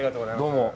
どうも。